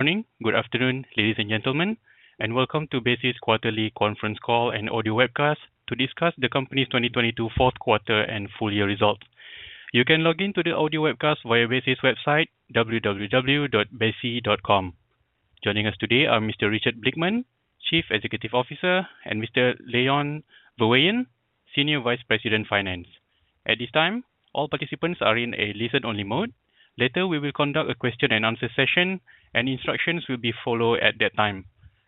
Morning, good afternoon, ladies and gentlemen, and welcome to quarterly conference call and audio webcast to discuss the company's 2022 fourth quarter and full year results. You can log in to the audio webcast via Besi's website, www.besi.com. Joining us today are Mr. Richard Blickman, Chief Executive Officer, and Mr. Leon Verweijen, Senior Vice President, Finance. At this time, all participants are in a listen-only mode. Later, we will conduct a question-and-answer session and instructions will be followed at that time.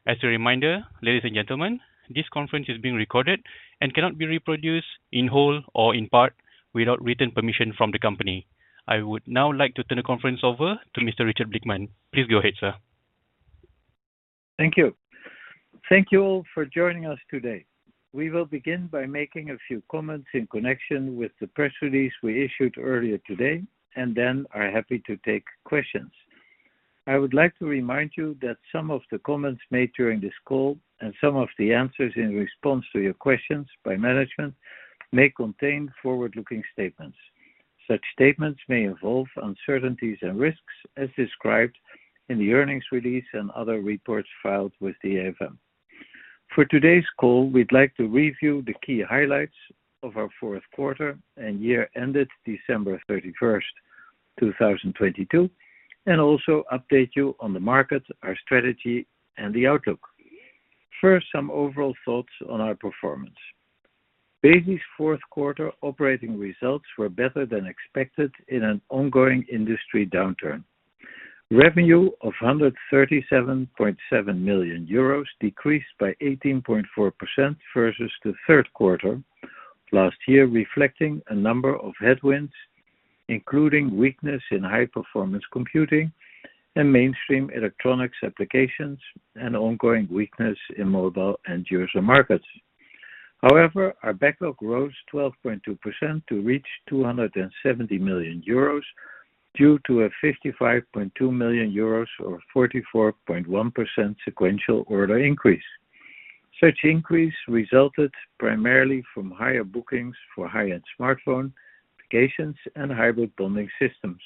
As a reminder, ladies and gentlemen, this conference is being recorded and cannot be reproduced in whole or in part without written permission from the company. I would now like to turn the conference over to Mr. Richard Blickman. Please go ahead, sir. Thank you. Thank you all for joining us today. We will begin by making a few comments in connection with the press release we issued earlier today, and then are happy to take questions. I would like to remind you that some of the comments made during this call and some of the answers in response to your questions by management may contain forward-looking statements. Such statements may involve uncertainties and risks as described in the earnings release and other reports filed with the AFM. For today's call, we'd like to review the key highlights of our fourth quarter and year-ended December 31st, 2022, and also update you on the market, our strategy, and the outlook. First, some overall thoughts on our performance. Besi's fourth quarter operating results were better than expected in an ongoing industry downturn. Revenue of 137.7 million euros decreased by 18.4% versus the third quarter last year, reflecting a number of headwinds, including weakness in high-performance computing and mainstream electronics applications and ongoing weakness in mobile end user markets. However, our backlog rose 12.2% to reach 270 million euros due to a 55.2 million euros or 44.1% sequential order increase. Such increase resulted primarily from higher bookings for high-end smartphone applications and hybrid bonding systems.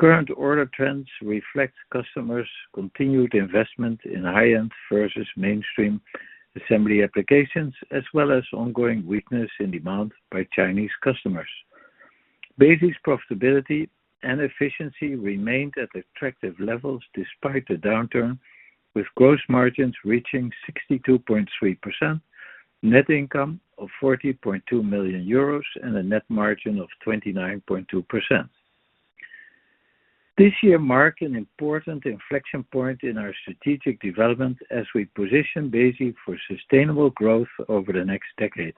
Current order trends reflect customers' continued investment in high-end versus mainstream assembly applications, as well as ongoing weakness in demand by Chinese customers. Besi's profitability and efficiency remained at attractive levels despite the downturn, with gross margins reaching 62.3%, net income of 40.2 million euros, and a net margin of 29.2%. This year marked an important inflection point in our strategic development as we position Besi for sustainable growth over the next decade.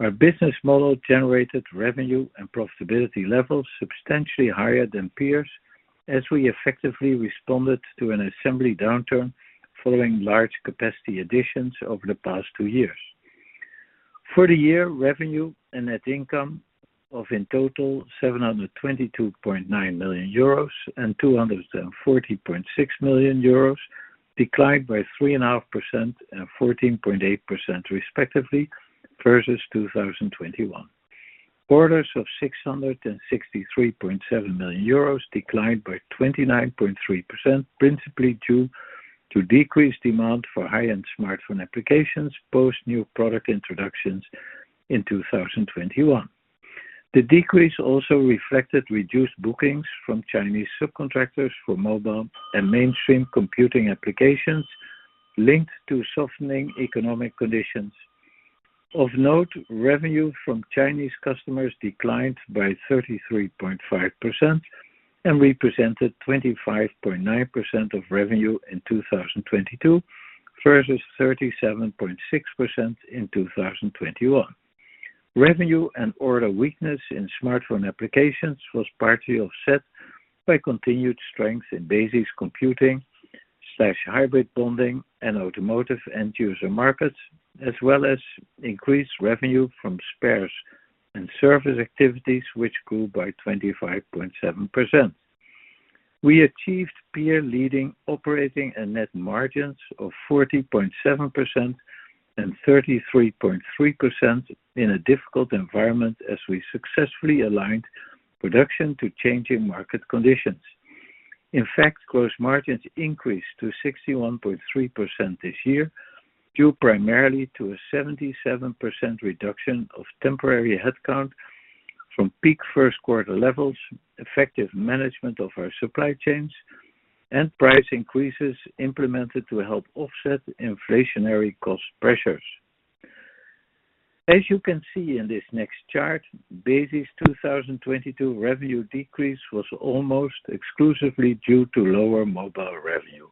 Our business model generated revenue and profitability levels substantially higher than peers as we effectively responded to an assembly downturn following large capacity additions over the past 2 years. For the year, revenue and net income of in total 722.9 million euros and 240.6 million euros declined by 3.5% and 14.8% respectively versus 2021. Orders of 663.7 million euros declined by 29.3%, principally due to decreased demand for high-end smartphone applications post-new product introductions in 2021. The decrease also reflected reduced bookings from Chinese subcontractors for mobile and mainstream computing applications linked to softening economic conditions. Of note, revenue from Chinese customers declined by 33.5% and represented 25.9% of revenue in 2022 versus 37.6% in 2021. Revenue and order weakness in smartphone applications was partly offset by continued strength in Besi's computing/hybrid bonding and automotive end-user markets, as well as increased revenue from spares and service activities, which grew by 25.7%. We achieved peer-leading operating and net margins of 40.7% and 33.3% in a difficult environment as we successfully aligned production to changing market conditions. In fact, gross margins increased to 61.3% this year, due primarily to a 77% reduction of temporary headcount from peak first quarter levels, effective management of our supply chains, and price increases implemented to help offset inflationary cost pressures. As you can see in this next chart, Besi's 2022 revenue decrease was almost exclusively due to lower mobile revenue.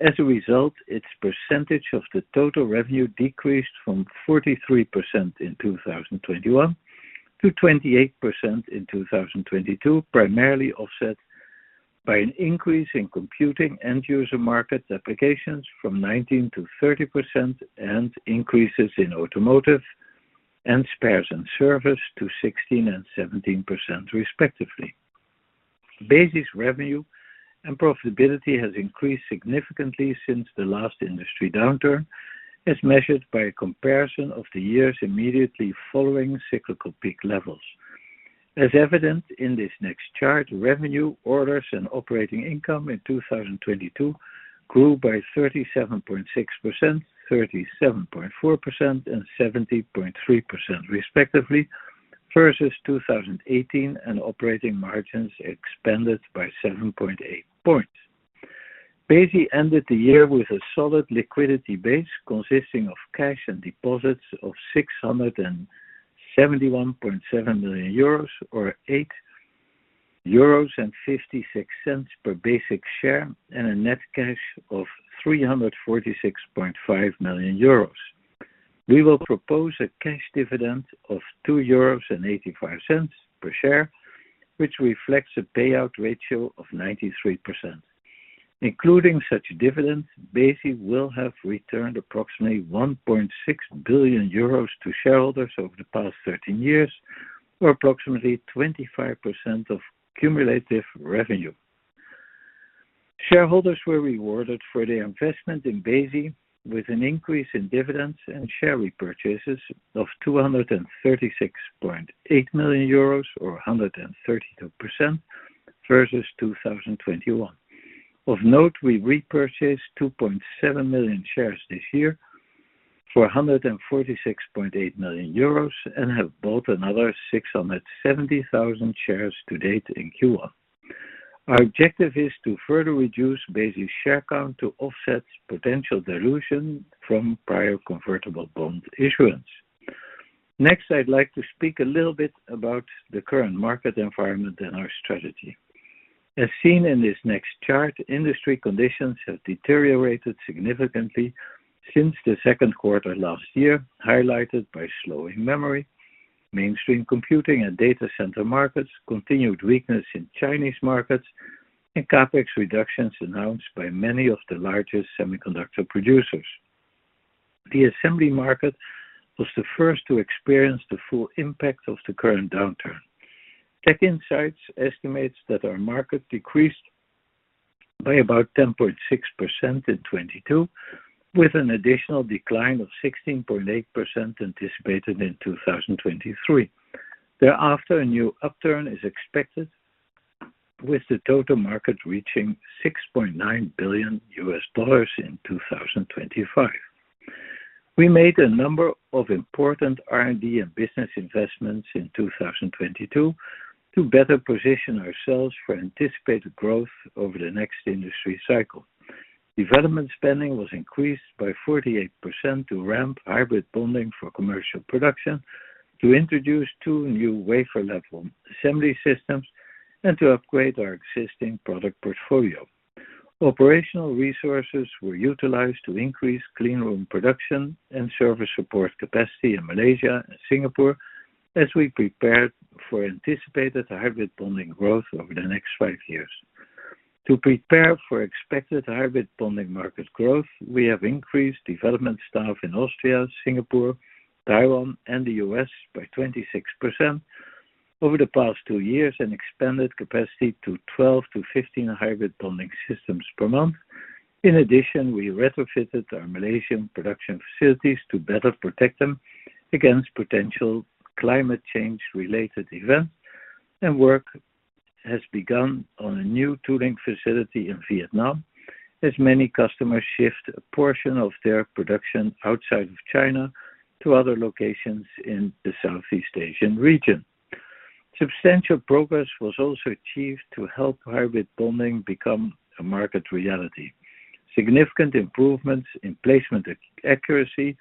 As a result, its percentage of the total revenue decreased from 43% in 2021 to 28% in 2022, primarily offset by an increase in computing end-user market applications from 19 to 30% and increases in automotive and spares and service to 16 and 17% respectively. Besi's revenue and profitability has increased significantly since the last industry downturn, as measured by a comparison of the years immediately following cyclical peak levels. As evident in this next chart, revenue, orders, and operating income in 2022 grew by 37.6%, 37.4%, and 70.3% respectively versus 2018, and operating margins expanded by 7.8 points. Besi ended the year with a solid liquidity base consisting of cash and deposits of 671.7 million euros or 8.56 euros per basic share, and a net cash of 346.5 million euros. We will propose a cash dividend of 2.85 euros per share, which reflects a payout ratio of 93%. Including such dividends, Besi will have returned approximately 1.6 billion euros to shareholders over the past 13 years, or approximately 25% of cumulative revenue. Shareholders were rewarded for their investment in Besi with an increase in dividends and share repurchases of EUR 236.8 million or 132% versus 2021. Of note, we repurchased 2.7 million shares this year for 146.8 million euros and have bought another 670,000 shares to date in Q1. Our objective is to further reduce Besi's share count to offset potential dilution from prior convertible bond issuance. Next, I'd like to speak a little bit about the current market environment and our strategy. As seen in this next chart, industry conditions have deteriorated significantly since the second quarter last year, highlighted by slowing memory, mainstream computing and data center markets, continued weakness in Chinese markets, and CapEx reductions announced by many of the largest semiconductor producers. The assembly market was the first to experience the full impact of the current downturn. TechInsights estimates that our market decreased by about 10.6% in 2022, with an additional decline of 16.8% anticipated in 2023. Thereafter, a new upturn is expected, with the total market reaching $6.9 billion in 2025. We made a number of important R&D and business investments in 2022 to better position ourselves for anticipated growth over the next industry cycle. Development spending was increased by 48% to ramp hybrid bonding for commercial production, to introduce two new wafer-level assembly systems, and to upgrade our existing product portfolio. Operational resources were utilized to increase clean room production and service support capacity in Malaysia and Singapore as we prepared for anticipated hybrid bonding growth over the next 5 years. To prepare for expected hybrid bonding market growth, we have increased development staff in Austria, Singapore, Taiwan, and the U.S. by 26% over the past 2 years and expanded capacity to 12 to 15 hybrid bonding systems per month. We retrofitted our Malaysian production facilities to better protect them against potential climate change-related events. Work has begun on a new tooling facility in Vietnam as many customers shift a portion of their production outside of China to other locations in the Southeast Asian region. Substantial progress was also achieved to help hybrid bonding become a market reality. Significant improvements in placement accuracy,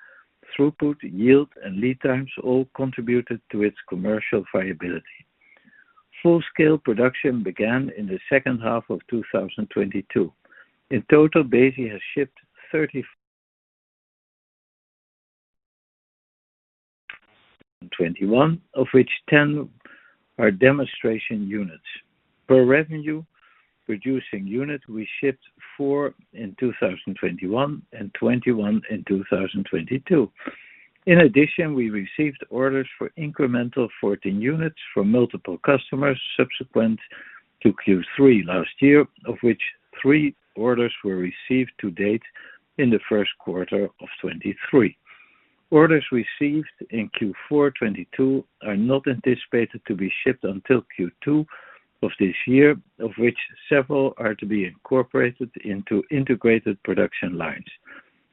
throughput, yield, and lead times all contributed to its commercial viability. Full-scale production began in the second half of 2022. Besi has shipped 30 21, of which 10 are demonstration units. Per revenue, producing unit, we shipped 4 in 2021 and 21 in 2022. In addition, we received orders for incremental 14 units from multiple customers subsequent to Q3 last year, of which 3 orders were received to date in the first quarter of 2023. Orders received in Q4 2022 are not anticipated to be shipped until Q2 of this year, of which several are to be incorporated into integrated production lines.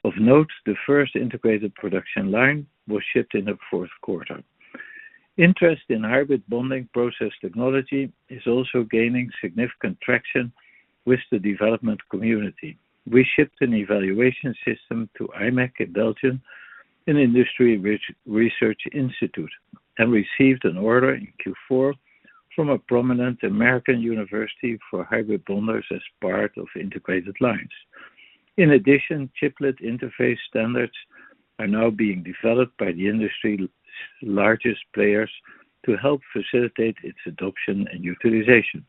Of note, the first integrated production line was shipped in the fourth quarter. Interest in hybrid bonding process technology is also gaining significant traction with the development community. We shipped an evaluation system to imec in Belgium, an industry re-research institute, and received an order in Q4 from a prominent American university for hybrid bonders as part of integrated lines. In addition, chiplet interface standards are now being developed by the industry's largest players to help facilitate its adoption and utilization.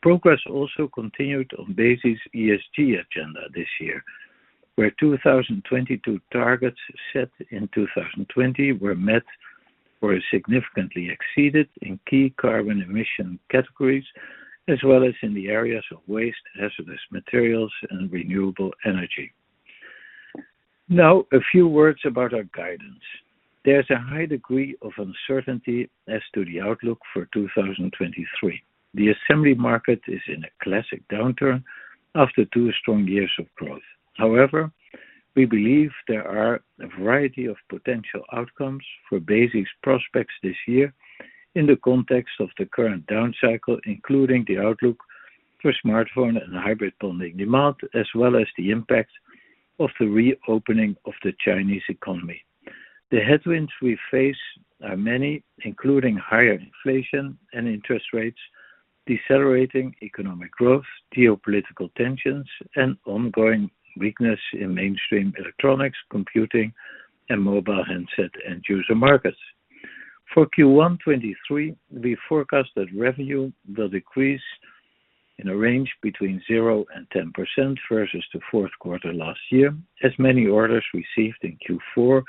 Progress also continued on Besi's ESG agenda this year, where 2022 targets set in 2020 were met or significantly exceeded in key carbon emission categories, as well as in the areas of waste, hazardous materials, and renewable energy. A few words about our guidance. There's a high degree of uncertainty as to the outlook for 2023. The assembly market is in a classic downturn after two strong years of growth. We believe there are a variety of potential outcomes for Besi's prospects this year in the context of the current down cycle, including the outlook for smartphone and hybrid bonding demand, as well as the impact of the reopening of the Chinese economy. The headwinds we face are many, including higher inflation and interest rates, decelerating economic growth, geopolitical tensions, and ongoing weakness in mainstream electronics, computing, and mobile handset end user markets. For Q1 2023, we forecast that revenue will decrease in a range between 0% and 10% versus the fourth quarter last year, as many orders received in Q4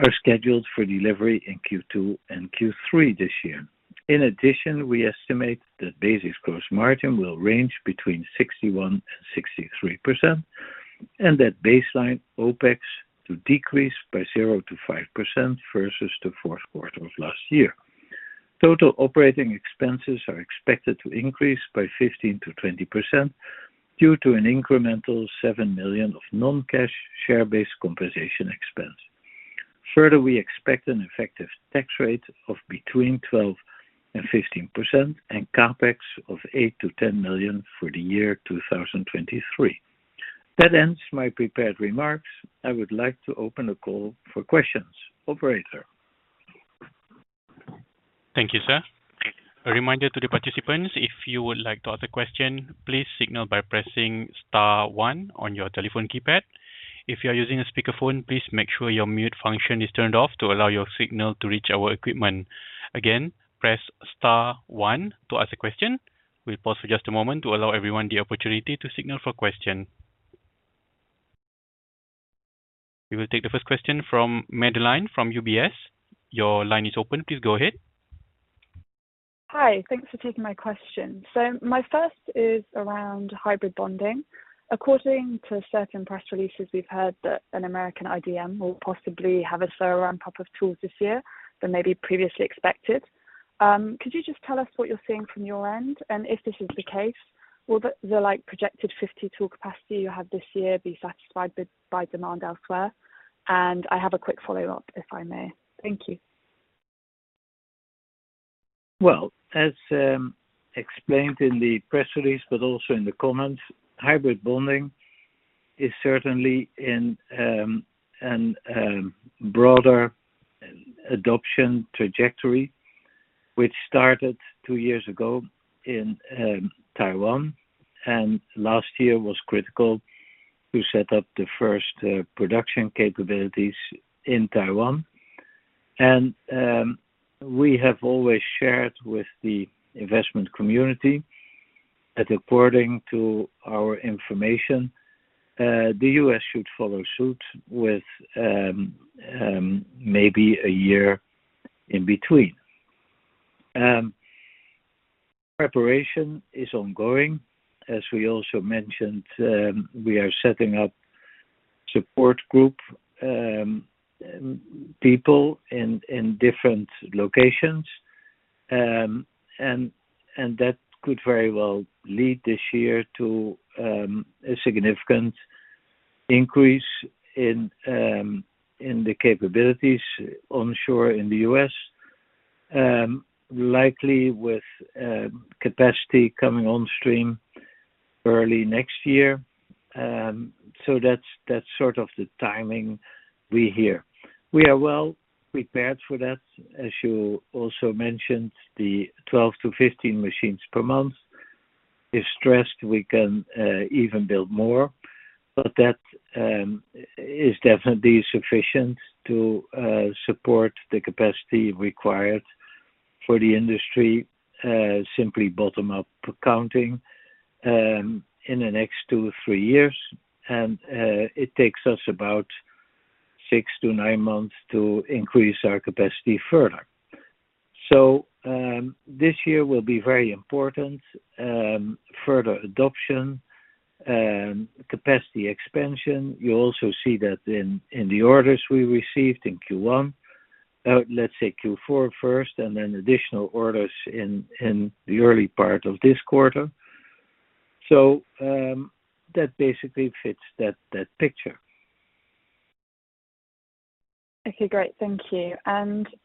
are scheduled for delivery in Q2 and Q3 this year. In addition, we estimate that Besi's gross margin will range between 61% and 63%, and that baseline OPEX to decrease by 0%-5% versus the fourth quarter of last year. Total operating expenses are expected to increase by 15%-20% due to an incremental 7 million of non-cash share-based compensation expense. Further, we expect an effective tax rate of between 12% and 15% and CapEx of 8 million-10 million for the year 2023. That ends my prepared remarks. I would like to open the call for questions. Operator? Thank you, sir. A reminder to the participants, if you would like to ask a question, please signal by pressing star one on your telephone keypad. If you are using a speakerphone, please make sure your mute function is turned off to allow your signal to reach our equipment. Again, press star one to ask a question. We'll pause for just a moment to allow everyone the opportunity to signal for question. We will take the first question from Madeleine from UBS. Your line is open. Please go ahead. Hi. Thanks for taking my question. My first is around hybrid bonding. According to certain press releases, we've heard that an American IDM will possibly have a slower ramp-up of tools this year than maybe previously expected. Could you just tell us what you're seeing from your end? If this is the case, will the like projected 50 tool capacity you have this year be satisfied by demand elsewhere? I have a quick follow-up, if I may. Thank you. Well, as explained in the press release but also in the comments, hybrid bonding is certainly in an broader adoption trajectory, which started two years ago in Taiwan. Last year was critical to set up the first production capabilities in Taiwan. We have always shared with the investment community that according to our information, the U.S. should follow suit with maybe a year in between. Preparation is ongoing. As we also mentioned, we are setting up support group people in different locations. That could very well lead this year to a significant increase in the capabilities onshore in the U.S., likely with capacity coming on stream early next year. That's sort of the timing we hear. We are well prepared for t hat. As you also mentioned, the 12 to 15 machines per month. If stressed, we can even build more. That is definitely sufficient to support the capacity required for the industry, simply bottom-up accounting, in the next 2, 3 years. It takes us about 6 to 9 months to increase our capacity further. This year will be very important. Further adoption, capacity expansion. You also see that in the orders we received in Q1. Let's say Q4 first, and then additional orders in the early part of this quarter. That basically fits that picture. Okay. Great. Thank you.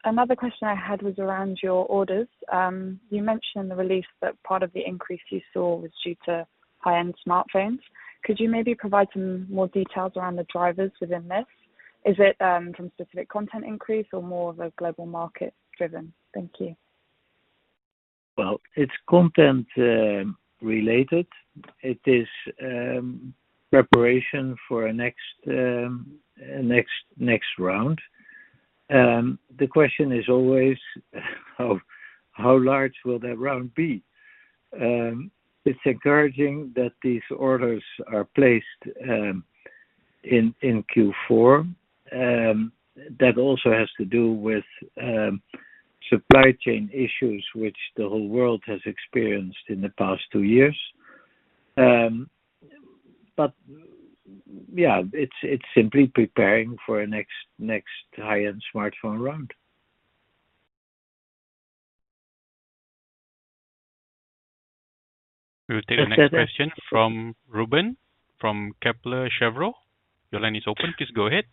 Another question I had was around your orders. You mentioned in the release that part of the increase you saw was due to high-end smartphones. Could you maybe provide some more details around the drivers within this? Is it, from specific content increase or more of a global market-driven? Thank you. Well, it's content related. It is preparation for a next round. The question is always of how large will that round be? It's encouraging that these orders are placed in Q4. That also has to do with Supply chain issues which the whole world has experienced in the past two years. Yeah, it's simply preparing for a next high-end smartphone round. We'll take the next question from Ruben from Kepler Cheuvreux. Your line is open. Please go ahead.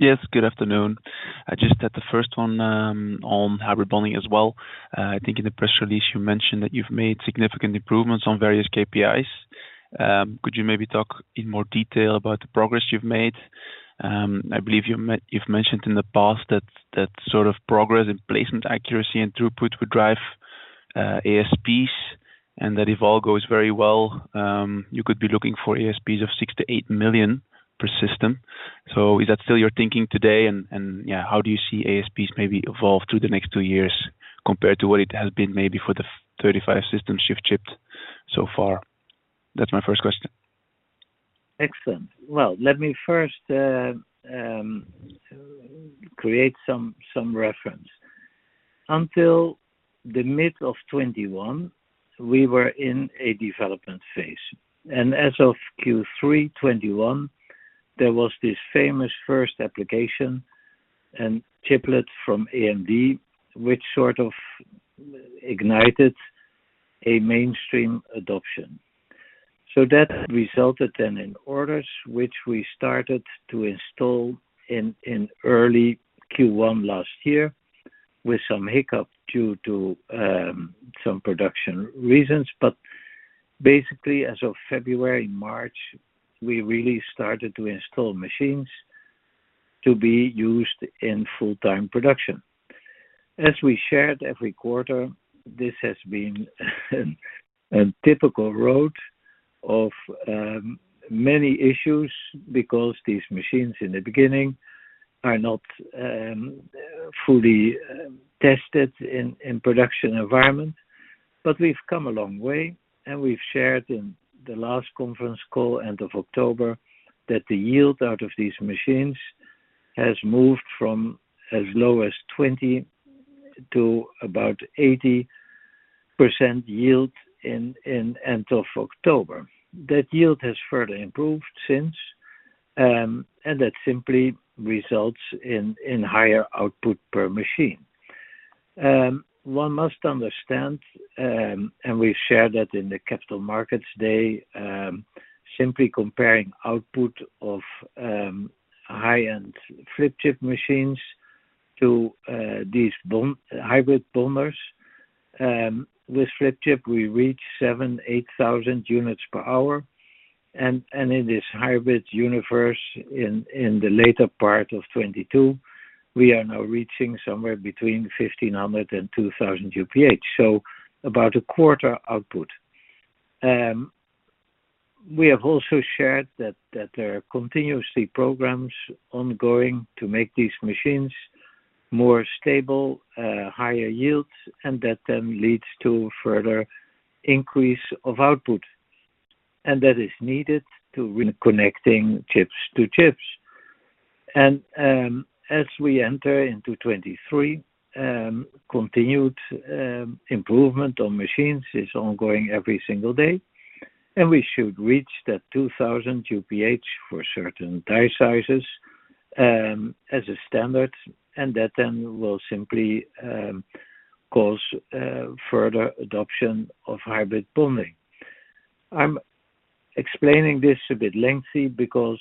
Yes, good afternoon. I just had the first one on hybrid bonding as well. I think in the press release you mentioned that you've made significant improvements on various KPIs. Could you maybe talk in more detail about the progress you've made? I believe you've mentioned in the past that sort of progress and placement accuracy and throughput would drive ASPs, and that if all goes very well, you could be looking for ASPs of 6 million-8 million per system. Is that still your thinking today? Yeah, how do you see ASPs maybe evolve through the next 2 years compared to what it has been maybe for the 35 systems you've shipped so far? That's my first question. Excellent. Well, let me first create some reference. Until the mid of 2021, we were in a development phase. As of Q3 2021, there was this famous first application and chiplet from AMD, which sort of ignited a mainstream adoption. That resulted then in orders which we started to install in early Q1 last year with some hiccup due to some production reasons. Basically, as of February, March, we really started to install machines to be used in full-time production. As we shared every quarter, this has been a typical road of many issues because these machines in the beginning are not fully tested in production environment. We've come a long way, and we've shared in the last conference call, end of October, that the yield out of these machines has moved from as low as 20 to about 80% yield in end of October. That yield has further improved since, and that simply results in higher output per machine. One must understand, and we share that in the Capital Markets Day, simply comparing output of high-end flip chip machines to these hybrid bonders. With flip chip, we reach 7,000-8,000 units per hour. In this hybrid universe in the later part of 2022, we are now reaching somewhere between 1,500 and 2,000 UPH. About a quarter output. We have also shared that there are continuously programs ongoing to make these machines more stable, higher yields, and that leads to further increase of output. That is needed to connecting chips to chips. As we enter into 2023, continued improvement on machines is ongoing every single day, we should reach that 2,000 UPH for certain die sizes as a standard, and that will simply cause further adoption of hybrid bonding. I'm explaining this a bit lengthy because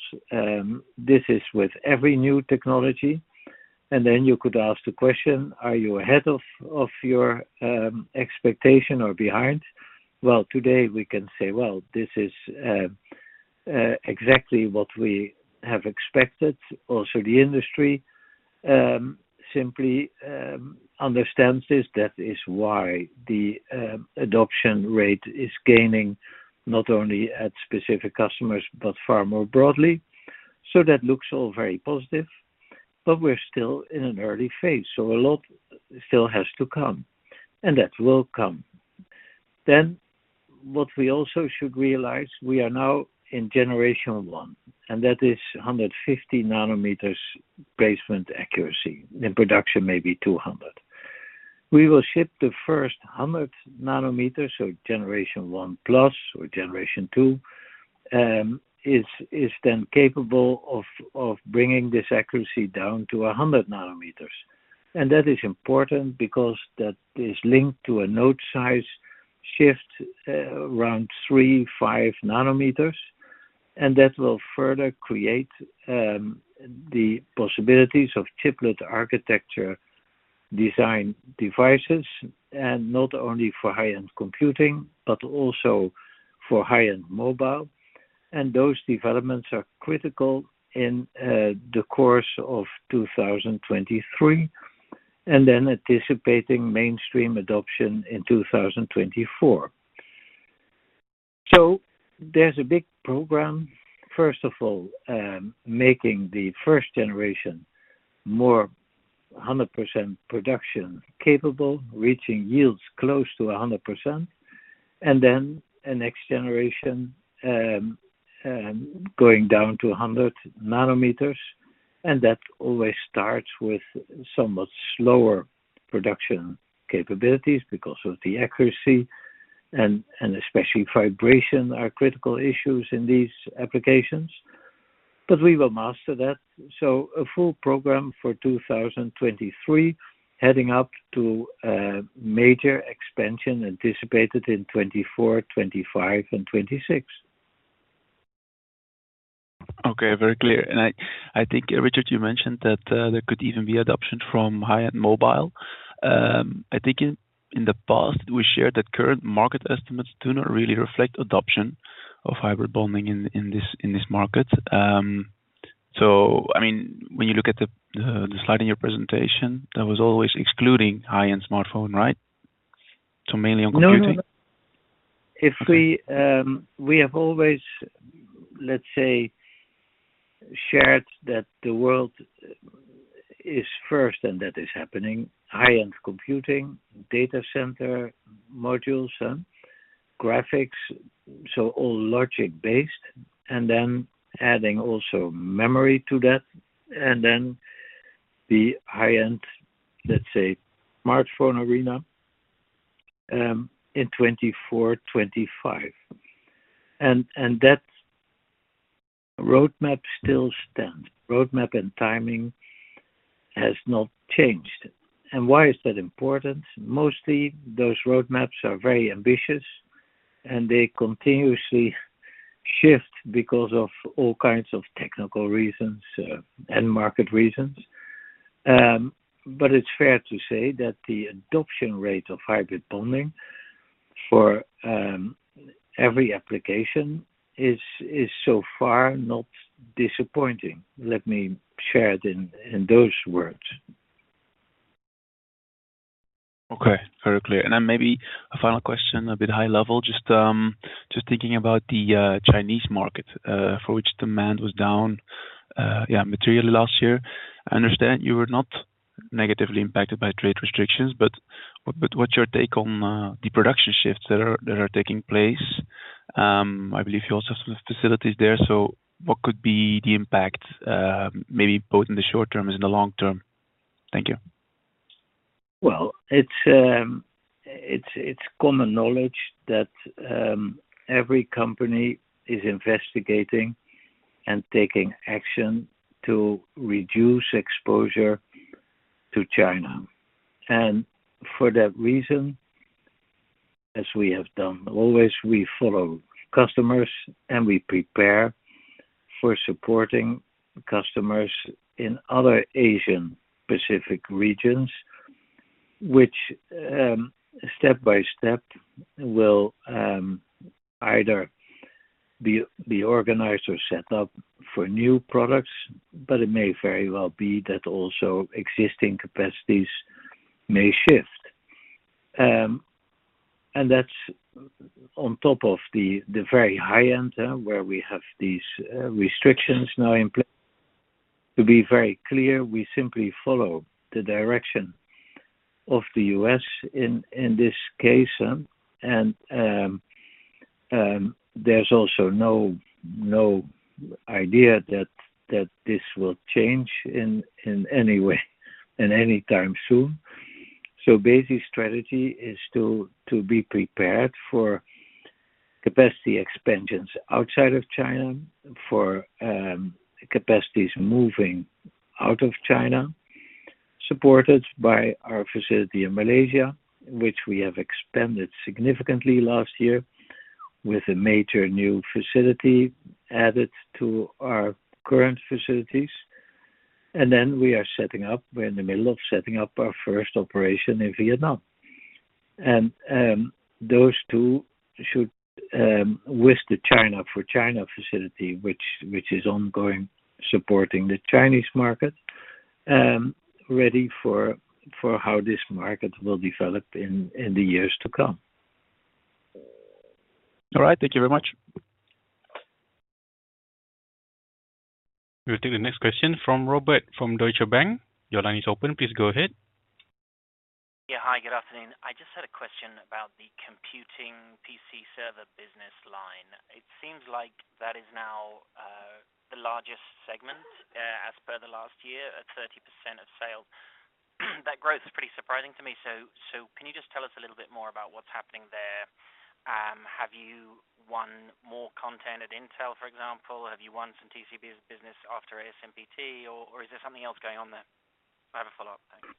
this is with every new technology, you could ask the question, are you ahead of your expectation or behind? Well, today we can say, well, this is exactly what we have expected. Also the industry simply understands this. That is why the adoption rate is gaining not only at specific customers but far more broadly. That looks all very positive, but we're still in an early phase, so a lot still has to come, and that will come. What we also should realize, we are now in generation one, and that is 150 nanometers placement accuracy. In production, maybe 200. We will ship the first 100 nanometers, so generation one plus or generation two is then capable of bringing this accuracy down to 100 nanometers. That is important because that is linked to a node size shift, around 3, 5 nanometers, and that will further create the possibilities of chiplet architecture design devices, and not only for high-end computing but also for high-end mobile. Those developments are critical in the course of 2023, and then anticipating mainstream adoption in 2024. There's a big program. First of all, making the first generation more 100% production capable, reaching yields close to 100%. Then a next generation, going down to 100 nanometers, and that always starts with somewhat slower production capabilities because of the accuracy and especially vibration are critical issues in these applications. We will master that. A full program for 2023, heading up to a major expansion anticipated in 2024, 2025, and 2026. Okay. Very clear. I think, Richard, you mentioned that there could even be adoption from high-end mobile. I think in the past, we shared that current market estimates do not really reflect adoption of hybrid bonding in this market. I mean, when you look at the slide in your presentation, that was always excluding high-end smartphone, right? Mainly on computing. No, no. If we have always, let's say, shared that the world is first and that is happening, high-end computing, data center modules. Graphics, so all logic-based, and then adding also memory to that, and then the high-end, let's say, smartphone arena, in 2024, 2025. That roadmap still stands. Roadmap and timing has not changed. Why is that important? Mostly, those roadmaps are very ambitious, and they continuously shift because of all kinds of technical reasons, and market reasons. It's fair to say that the adoption rate of hybrid bonding for every application is so far not disappointing. Let me share it in those words. Okay. Very clear. Maybe a final question, a bit high level, just thinking about the Chinese market, for which demand was down materially last year. I understand you were not negatively impacted by trade restrictions, but what's your take on the production shifts that are taking place? I believe you also have some facilities there. What could be the impact, maybe both in the short term and in the long term? Thank you. Well, it's common knowledge that every company is investigating and taking action to reduce exposure to China. For that reason, as we have done always, we follow customers, and we prepare for supporting customers in other Asian Pacific regions, which step by step will either be organized or set up for new products, but it may very well be that also existing capacities may shift. That's on top of the very high-end, where we have these restrictions now in place. To be very clear, we simply follow the direction of the U.S. in this case, huh. There's also no idea that this will change in any way and anytime soon. Basic strategy is to be prepared for capacity expansions outside of China, for capacities moving out of China, supported by our facility in Malaysia, which we have expanded significantly last year with a major new facility added to our current facilities. Then We're in the middle of setting up our first operation in Vietnam. Those two should with the China, for China facility, which is ongoing, supporting the Chinese market, ready for how this market will develop in the years to come. All right. Thank you very much. We'll take the next question from Robert from Deutsche Bank. Your line is open. Please go ahead. Yeah. Hi, good afternoon. I just had a question about the computing PC server business line. It seems like that is now the largest segment as per the last year at 30% of sales. That growth is pretty surprising to me, so can you just tell us a little bit more about what's happening there? Have you won more content at Intel, for example? Have you won some TCB business after ASMPT, or is there something else going on there? I have a follow-up. Thanks.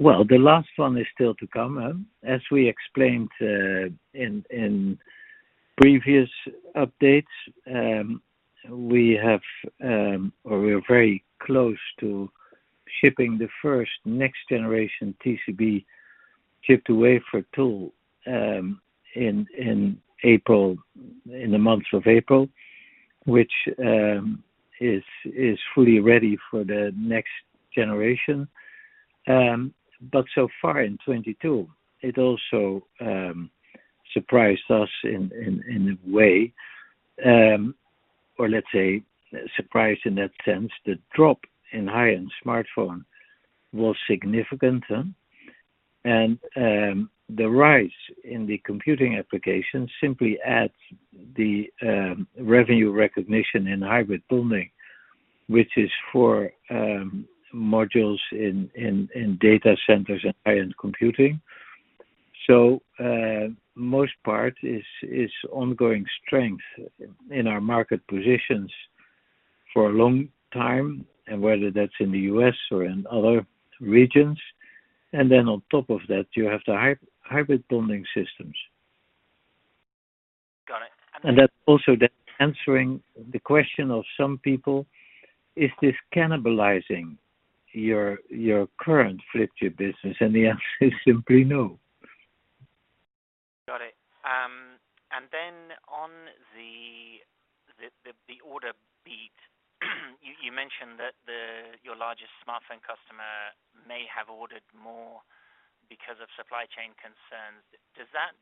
Well, the last one is still to come. As we explained in previous updates, we have or we are very close to shipping the first next generation TCB chip-to-wafer tool in April, which is fully ready for the next generation. So far in 2022, it also surprised us in a way. Let's say surprised in that sense, the drop in high-end smartphone was significant. The rise in the computing application simply adds the revenue recognition in hybrid bonding, which is for modules in data centers and high-end computing. Most part is ongoing strength in our market positions for a long time, and whether that's in the U.S. or in other regions. Then on top of that, you have the hybrid bonding systems. Got it. That's also answering the question of some people, is this cannibalizing your current flip chip business? The answer is simply no. Got it. On the order beat, you mentioned that your largest smartphone customer may have ordered more because of supply chain concerns. Does that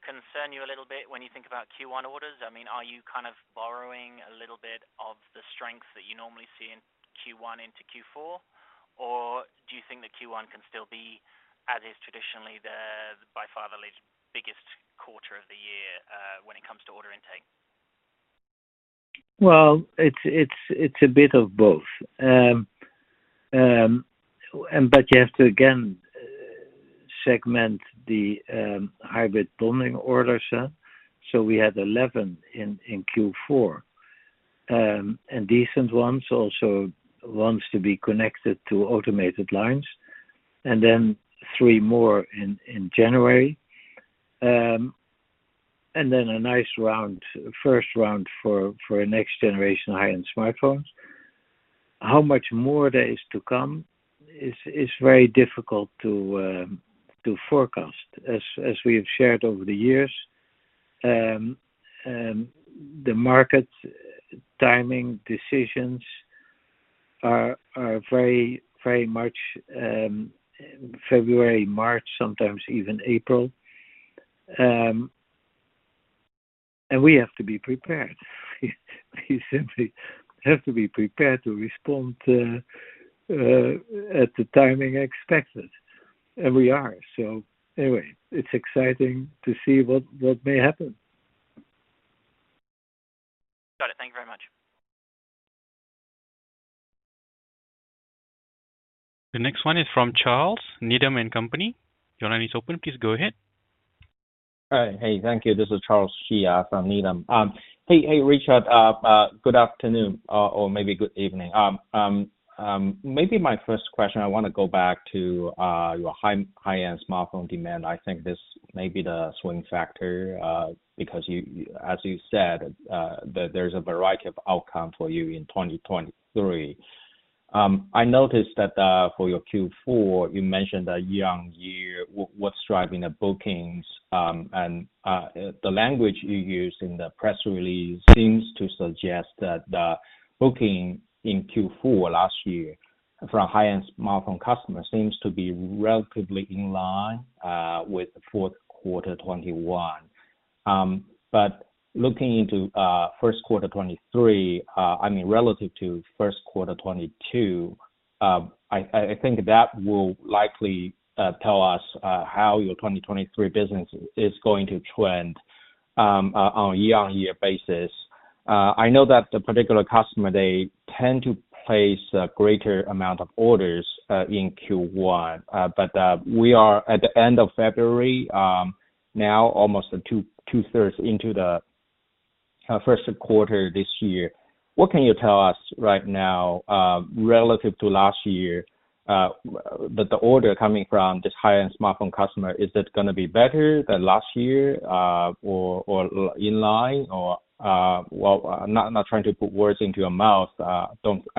concern you a little bit when you think about Q1 orders? I mean, are you kind of borrowing a little bit of the strength that you normally see in Q1 into Q4? Do you think that Q1 can still be as is traditionally the by far the least biggest quarter of the year when it comes to order intake? Well, it's a bit of both. But you have to again segment the hybrid bonding orders. We had 11 in Q4, and decent ones, also ones to be connected to automated lines, and then 3 more in January. Then a nice round, first round for next generation high-end smartphones. How much more there is to come is very difficult to forecast. As we have shared over the years, the market timing decisions are very much February, March, sometimes even April. We have to be prepared. We simply have to be prepared to respond at the timing expected. We are. Anyway, it's exciting to see what may happen. Got it. Thank you very much. The next one is from Charles, Needham & Company. Your line is open. Please go ahead. All right. Hey, thank you. This is Charles Shi from Needham. Hey, Richard, good afternoon, or maybe good evening. Maybe my first question, I wanna go back to your high-end smartphone demand. I think this may be the swing factor, because as you said, there's a variety of outcome for you in 2023. I noticed that for your Q4, you mentioned that year-on-year what's driving the bookings, the language you used in the press release seems to suggest that the booking in Q4 last year for a high-end smartphone customer seems to be relatively in line with fourth quarter 2021. Looking into first quarter 2023, I mean, relative to first quarter 2022, I think that will likely tell us how your 2023 business is going to trend on a year-on-year basis. I know that the particular customer, they tend to place a greater amount of orders in Q1. We are at the end of February, now almost two-thirds into the first quarter this year. What can you tell us right now, relative to last year, the order coming from this high-end smartphone customer, is it gonna be better than last year, or in line or, well, I'm not trying to put words into your mouth? I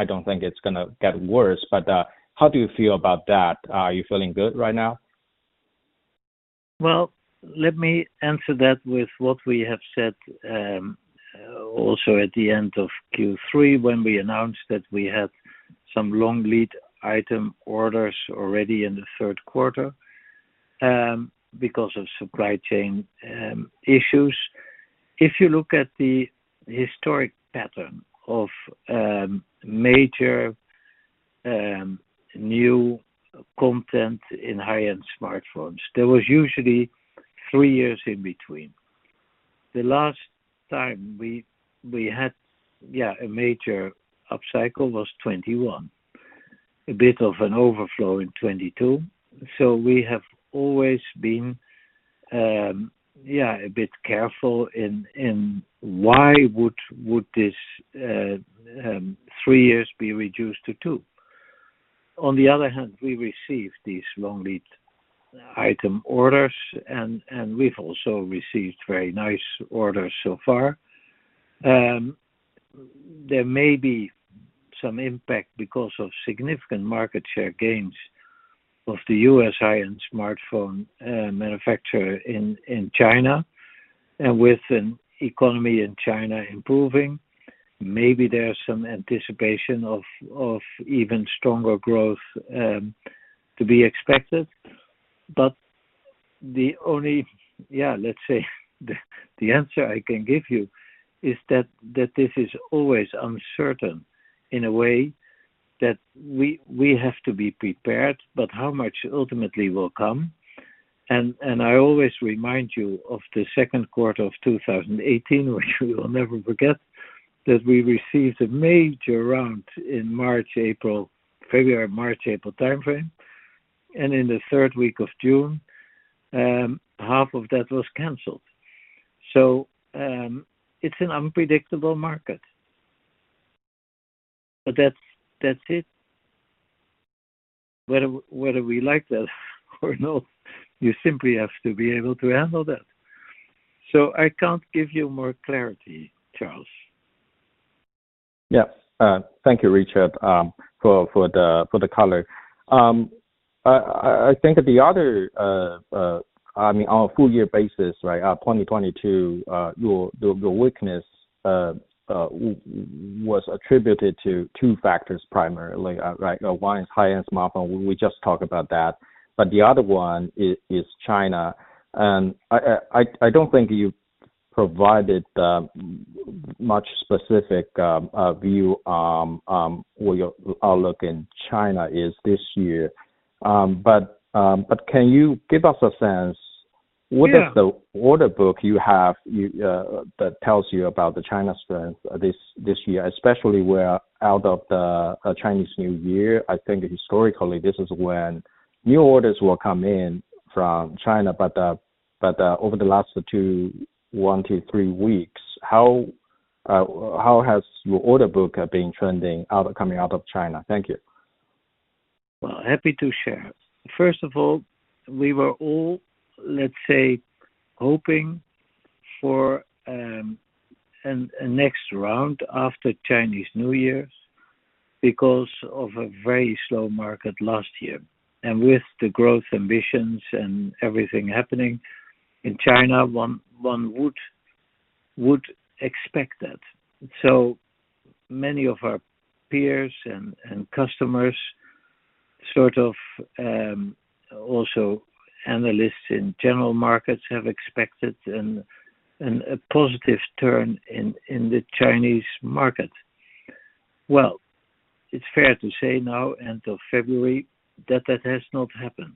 don't think it's gonna get worse. How do you feel about that? Are you feeling good right now? Well, let me answer that with what we have said, also at the end of Q3, when we announced that we had some long lead item orders already in the third quarter, because of supply chain issues. If you look at the historic pattern of major new content in high-end smartphones, there was usually 3 years in between. The last time we had a major upcycle was 2021, a bit of an overflow in 2022. We have always been a bit careful in why would this 3 years be reduced to 2. On the other hand, we received these long lead item orders and we've also received very nice orders so far. There may be some impact because of significant market share gains of the US high-end smartphone manufacturer in China. With an economy in China improving, maybe there's some anticipation of even stronger growth, to be expected. The only, yeah, let's say, the answer I can give you is that this is always uncertain in a way that we have to be prepared, but how much ultimately will come. I always remind you of the second quarter of 2018, which we will never forget, that we received a major round in February, March, April timeframe. In the third week of June, half of that was canceled. It's an unpredictable market. That's, that's it. Whether we like that or not, you simply have to be able to handle that. I can't give you more clarity, Charles. Yeah. Thank you, Richard, for the color. I think the other, I mean, on a full year basis, right, 2022, your the weakness was attributed to two factors primarily, right? One is high-end smartphone. We just talked about that. The other one is China, and I don't think you've provided much specific view on your outlook in China this year. Can you give us a sense- Yeah. What is the order book you have you that tells you about the China strength this year? Especially we're out of the Chinese New Year. I think historically this is when new orders will come in from China. Over the last 1-3 weeks, how has your order book been trending out coming out of China? Thank you. Happy to share. First of all, we were all, let's say, hoping for a next round after Chinese New Year because of a very slow market last year. With the growth ambitions and everything happening in China, one would expect that. Many of our peers and customers, sort of, also analysts in general markets, have expected a positive turn in the Chinese market. It's fair to say now, end of February, that that has not happened.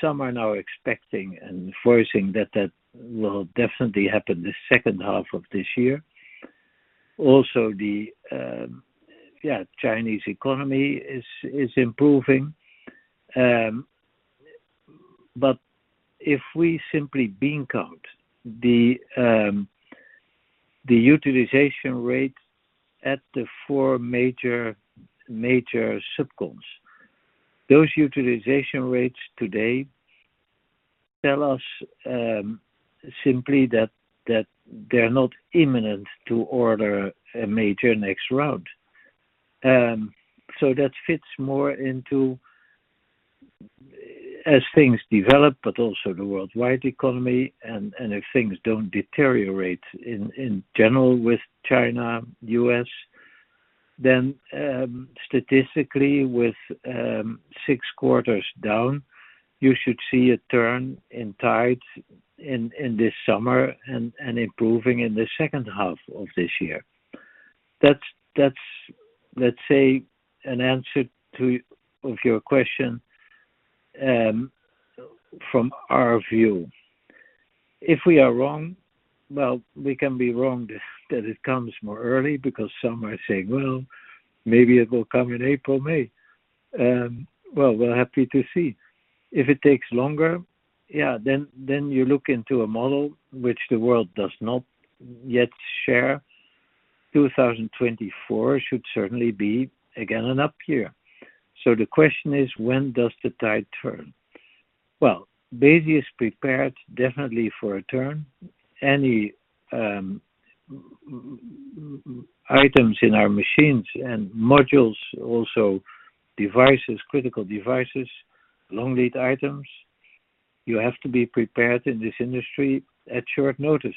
Some are now expecting and voicing that that will definitely happen the second half of this year. The, yeah, Chinese economy is improving. If we simply bean count the utilization rate at the four major sub cons. Those utilization rates today tell us, simply that they're not imminent to order a major next round. That fits more into as things develop, but also the worldwide economy, and if things don't deteriorate in general with China, U.S., then statistically with 6 quarters down, you should see a turn in tide in this summer and improving in the second half of this year. That's, that's, let's say, an answer of your question, from our view. If we are wrong, well, we can be wrong that it comes more early because some are saying, "Well, maybe it will come in April, May." Well, we're happy to see. If it takes longer, yeah, then you look into a model which the world does not yet share. 2024 should certainly be again, an up year. The question is, when does the tide turn? Well, Besi is prepared definitely for a turn. Any items in our machines and modules, also devices, critical devices, long lead items. You have to be prepared in this industry at short notice.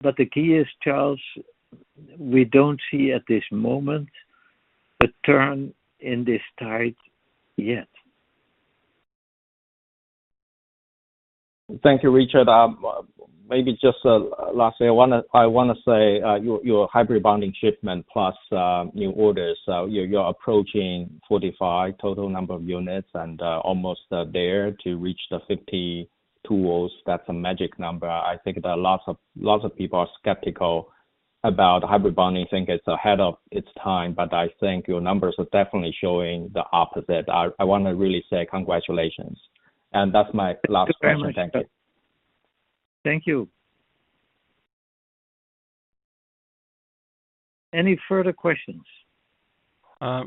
The key is, Charles, we don't see at this moment a turn in this tide yet. Thank you, Richard. Maybe just, lastly, I wanna say, your hybrid bonding shipment plus, new orders. You're approaching 45 total number of units and, almost there to reach the 50 tools. That's a magic number. I think that lots of people are skeptical about hybrid bonding, think it's ahead of its time, but I think your numbers are definitely showing the opposite. I wanna really say congratulations, and that's my last question. Thank you. Thank you. Any further questions?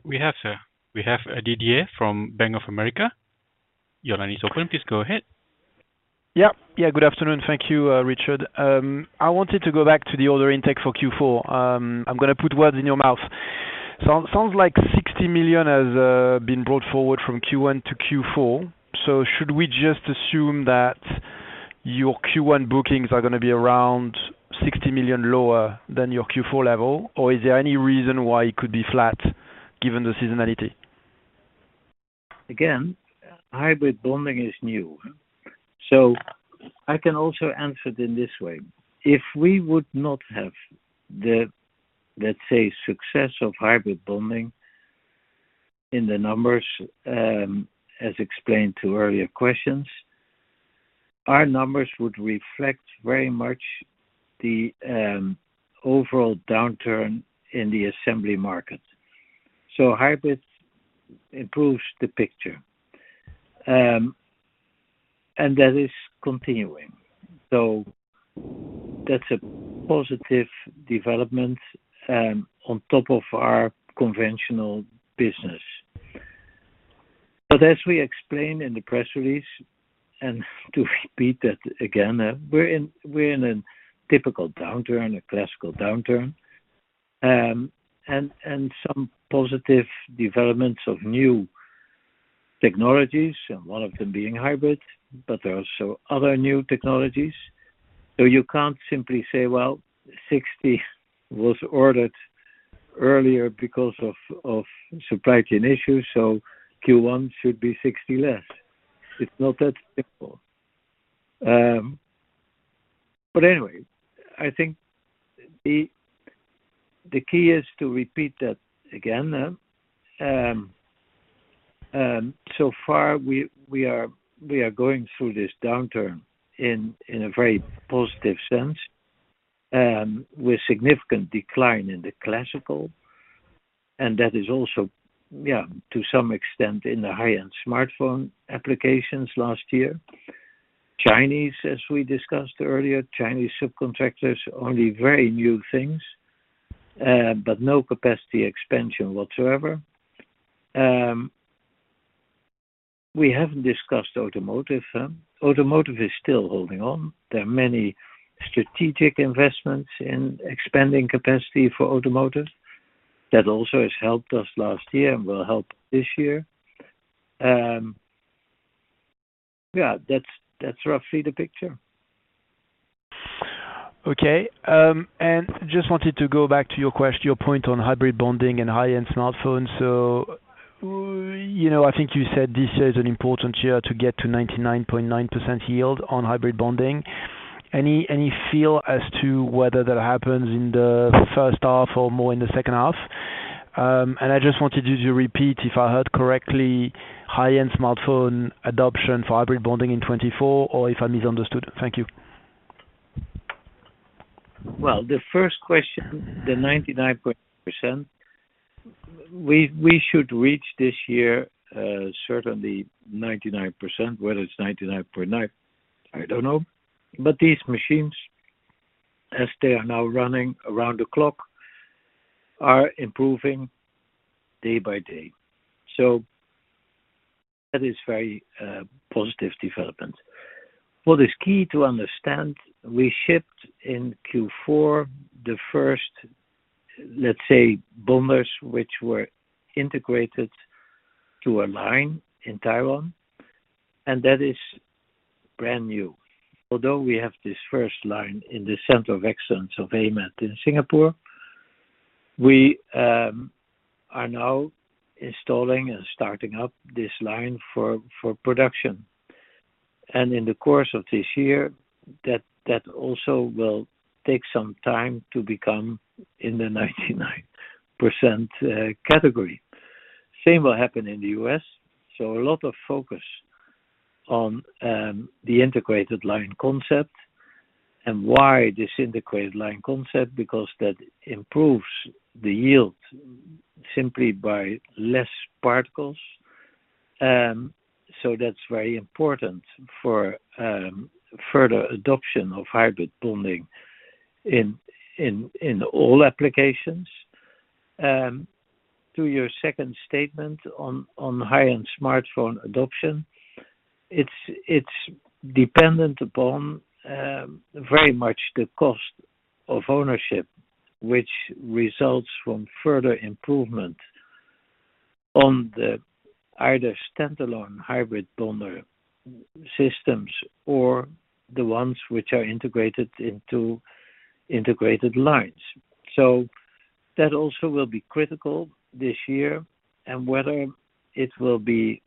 We have, sir. We have Didier from Bank of America. Your line is open. Please go ahead. Yeah. Yeah, good afternoon. Thank you, Richard. I wanted to go back to the order intake for Q4. I'm gonna put words in your mouth. Sounds like 60 million has been brought forward from Q1 to Q4. Should we just assume that- Your Q1 bookings are gonna be around 60 million lower than your Q4 level, or is there any reason why it could be flat given the seasonality? Hybrid bonding is new. I can also answer it in this way. If we would not have the, let's say, success of hybrid bonding in the numbers, as explained to earlier questions, our numbers would reflect very much the overall downturn in the assembly market. Hybrid improves the picture, and that is continuing. That's a positive development on top of our conventional business. As we explained in the press release, and to repeat that again, we're in a typical downturn, a classical downturn, and some positive developments of new technologies, and one of them being hybrid, but there are also other new technologies. You can't simply say, "Well, 60 was ordered earlier because of supply chain issues, so Q1 should be 60 less." It's not that simple. Anyway, I think the key is to repeat that again. So far we are going through this downturn in a very positive sense, with significant decline in the classical, and that is also, yeah, to some extent in the high-end smartphone applications last year. Chinese, as we discussed earlier, Chinese subcontractors, only very new things, but no capacity expansion whatsoever. We haven't discussed automotive. Automotive is still holding on. There are many strategic investments in expanding capacity for automotive. That also has helped us last year and will help this year. Yeah, that's roughly the picture. Just wanted to go back to your point on hybrid bonding and high-end smartphones. You know, I think you said this is an important year to get to 99.9% yield on hybrid bonding. Any feel as to whether that happens in the first half or more in the second half? I just wanted you to repeat, if I heard correctly, high-end smartphone adoption for hybrid bonding in 2024, or if I misunderstood. Thank you. Well, the first question, the 99.9%, we should reach this year, certainly 99%, whether it's 99.9, I don't know. These machines, as they are now running around the clock, are improving day by day. That is very positive development. What is key to understand, we shipped in Q4 the first, let's say, bonders, which were integrated to a line in Taiwan, and that is brand new. Although we have this first line in the center of excellence of AMAT in Singapore, we are now installing and starting up this line for production. In the course of this year, that also will take some time to become in the 99% category. Same will happen in the US. A lot of focus on the integrated line concept and why this integrated line concept, because that improves the yield simply by less particles. That's very important for further adoption of hybrid bonding in all applications. To your second statement on high-end smartphone adoption, it's dependent upon very much the cost of ownership, which results from further improvement on the either standalone hybrid bonder systems or the ones which are integrated into integrated lines. That also will be critical this year and whether it will be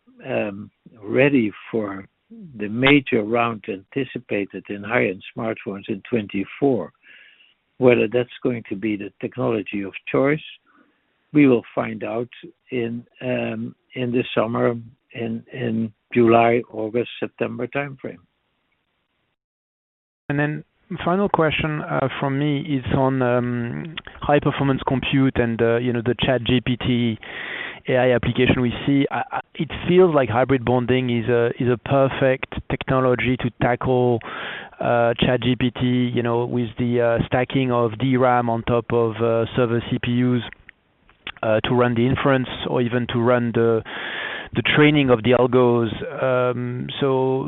ready for the major round anticipated in high-end smartphones in 2024. That's going to be the technology of choice, we will find out in the summer, in July, August, September timeframe. Final question from me is on high-performance compute and, you know, the ChatGPT AI application we see. It feels like hybrid bonding is a perfect technology to tackle ChatGPT, you know, with the stacking of DRAM on top of server CPUs to run the inference or even to run the training of the algos.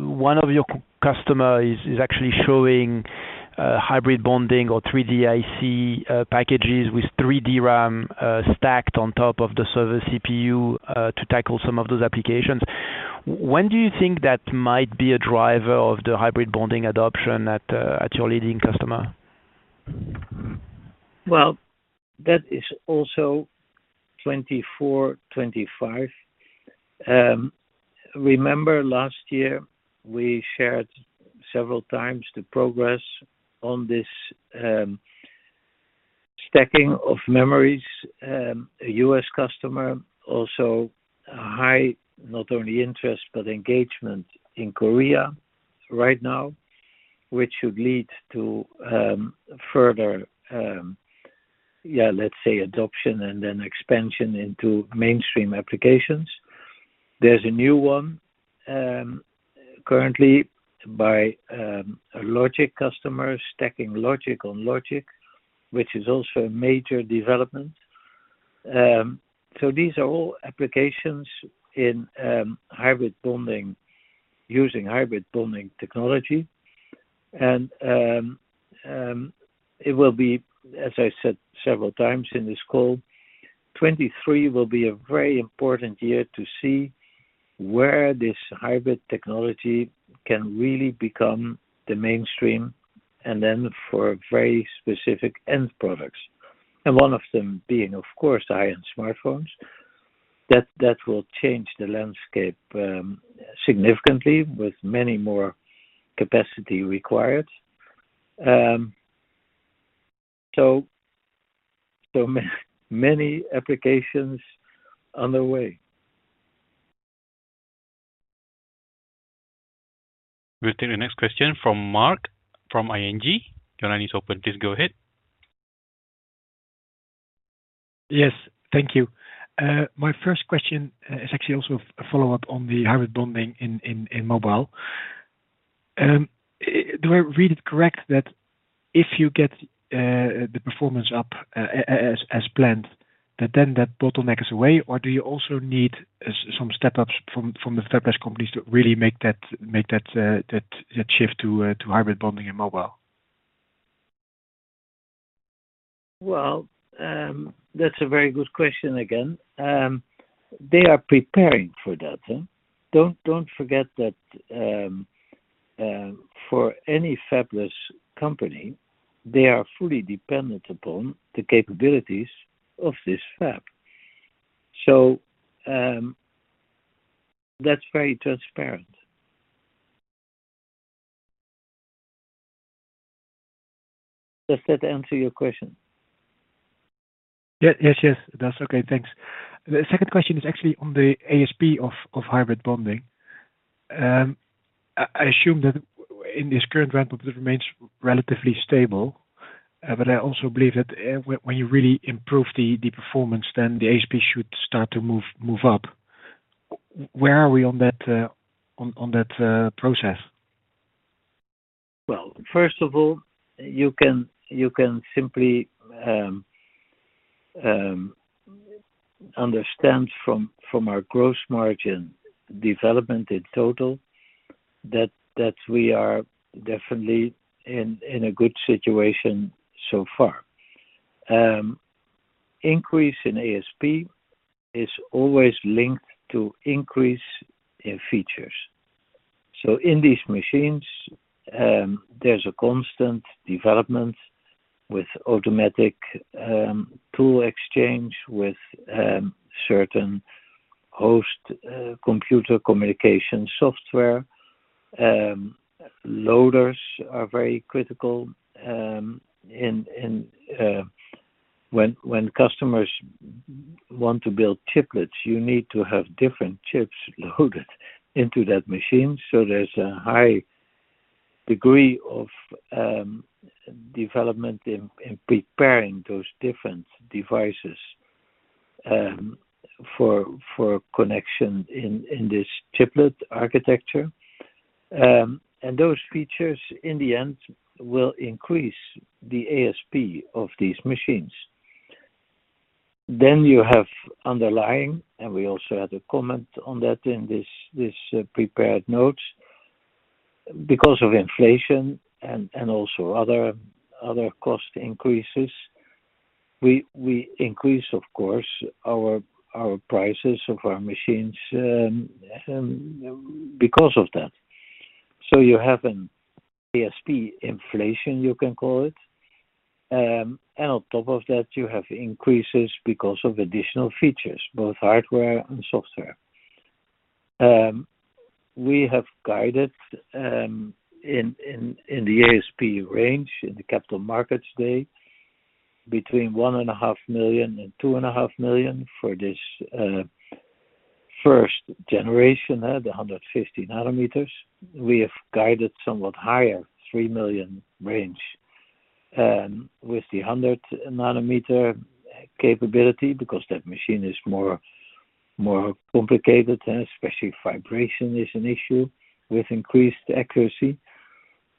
One of your customer is actually showing hybrid bonding or 3D IC packages with 3D DRAM stacked on top of the server CPU to tackle some of those applications. When do you think that might be a driver of the hybrid bonding adoption at your leading customer? Well, that is also 2024, 2025. Remember last year we shared several times the progress on this stacking of memories. A US customer also high, not only interest, but engagement in Korea right now, which should lead to further, yeah, let's say adoption and then expansion into mainstream applications. There's a new one currently by a logic customer, stacking logic on logic, which is also a major development. These are all applications in hybrid bonding, using hybrid bonding technology. It will be, as I said several times in this call, 2023 will be a very important year to see where this hybrid technology can really become the mainstream, and then for very specific end products. One of them being, of course, high-end smartphones, that will change the landscape significantly with many more capacity required. So many applications on the way. We'll take the next question from Mark from ING. Your line is open. Please go ahead. Yes. Thank you. My first question is actually also a follow-up on the hybrid bonding in mobile. Do I read it correct that if you get the performance up as planned that then that bottleneck is away? Or do you also need some step-ups from the fabless companies to really make that shift to hybrid bonding in mobile? Well, that's a very good question again. They are preparing for that. Don't forget that, for any fabless company, they are fully dependent upon the capabilities of this fab. That's very transparent. Does that answer your question? Yes. Yes, it does. Okay, thanks. The second question is actually on the ASP of hybrid bonding. I assume that in this current ramp it remains relatively stable. I also believe that when you really improve the performance, then the ASP should start to move up. Where are we on that on that process? First of all, you can simply understand from our gross margin development in total that we are definitely in a good situation so far. Increase in ASP is always linked to increase in features. In these machines, there's a constant development with automatic tool exchange, with certain host computer communication software. Loaders are very critical in when customers want to build chiplets, you need to have different chips loaded into that machine. There's a high degree of development in preparing those different devices for connection in this chiplet architecture. Those features in the end will increase the ASP of these machines. You have underlying, and we also had a comment on that in this prepared notes. Because of inflation and also other cost increases, we increase, of course, our prices of our machines because of that. You have an ASP inflation you can call it. On top of that, you have increases because of additional features, both hardware and software. We have guided in the ASP range in the Capital Markets Day between one and a half million and two and a half million for this first generation, the 150 nanometers. We have guided somewhat higher, 3 million range with the 100 nanometer capability because that machine is more complicated, especially vibration is an issue with increased accuracy.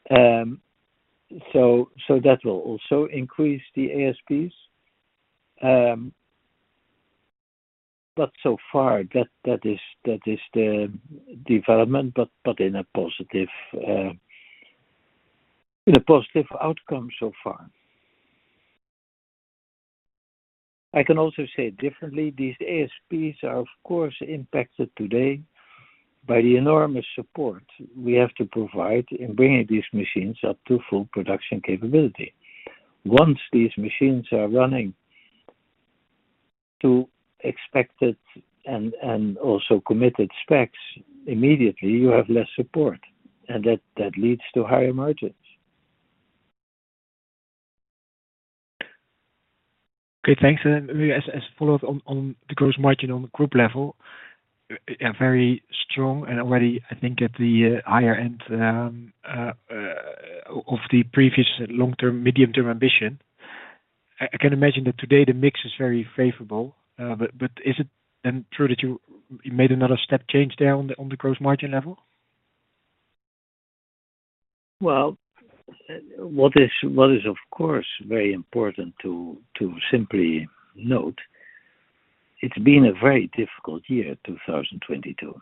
That will also increase the ASPs. So far that is, that is the development, but in a positive, in a positive outcome so far. I can also say differently, these ASPs are of course impacted today by the enormous support we have to provide in bringing these machines up to full production capability. Once these machines are running to expected and also committed specs, immediately you have less support, and that leads to higher margins. Okay, thanks. Maybe a follow-up on the gross margin on the group level, very strong and already I think at the higher end of the previous long-term, medium-term ambition. I can imagine that today the mix is very favorable, but is it true that you made another step change there on the gross margin level? What is of course very important to simply note, it's been a very difficult year, 2022.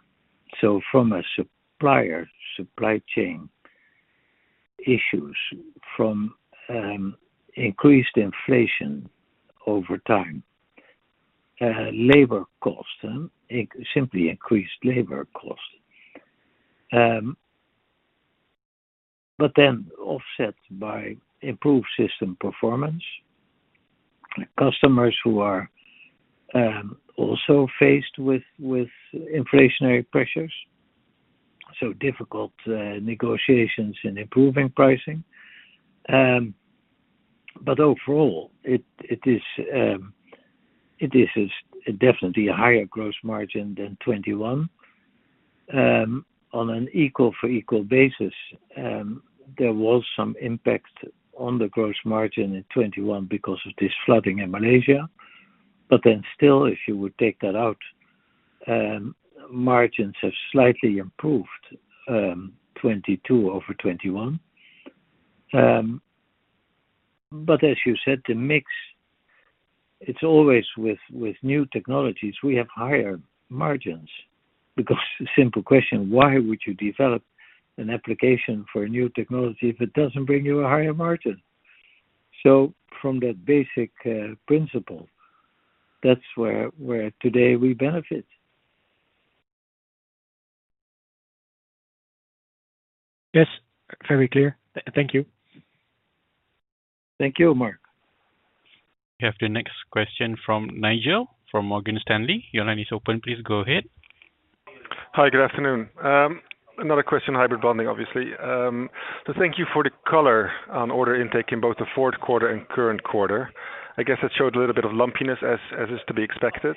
From a supplier, supply chain issues, from increased inflation over time, labor costs, simply increased labor costs. Offset by improved system performance, customers who are also faced with inflationary pressures, so difficult negotiations and improving pricing. Overall, it is definitely a higher gross margin than 2021. On an equal-for-equal basis, there was some impact on the gross margin in 2021 because of this flooding in Malaysia. Still, if you would take that out, margins have slightly improved, 2022 over 2021. As you said, the mix, it's always with new technologies, we have higher margins. Simple question, why would you develop an application for a new technology if it doesn't bring you a higher margin? From that basic principle, that's where today we benefit. Yes. Very clear. Thank you. Thank you, Marc. We have the next question from Nigel, from Morgan Stanley. Your line is open. Please go ahead. Hi, good afternoon. Another question, hybrid bonding, obviously. Thank you for the color on order intake in both the fourth quarter and current quarter. I guess it showed a little bit of lumpiness as is to be expected.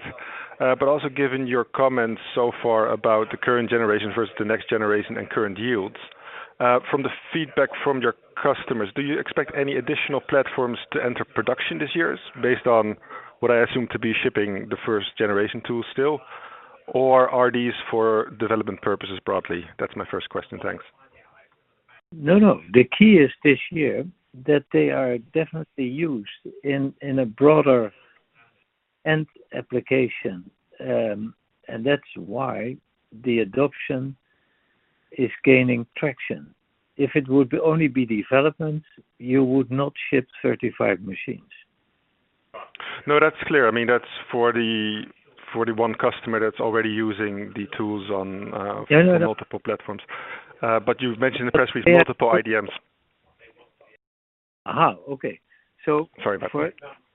Also given your comments so far about the current generation versus the next generation and current yields, from the feedback from your customers, do you expect any additional platforms to enter production this year based on what I assume to be shipping the first generation tool still, or are these for development purposes broadly? That's my first question. Thanks. No, no. The key is this year that they are definitely used in a broader end application. That's why the adoption is gaining traction. If it would only be development, you would not ship 35 machines. No, that's clear. I mean, that's for the 41 customer that's already using the tools on. Yeah, yeah. Multiple platforms. You've mentioned the press with multiple IDMs. Okay. Sorry about that.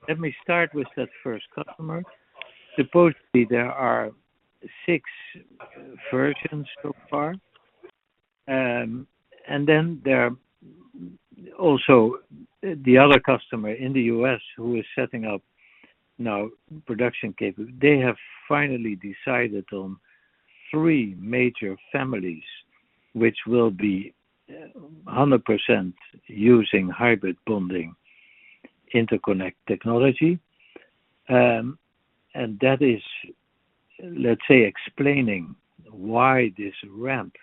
Let me start with that first customer. Supposedly, there are six versions so far. Then there are also the other customer in the US who is setting up now production capability. They have finally decided on three major families which will be, 100% using hybrid bonding interconnect technology. That is, let's say, explaining why this ramp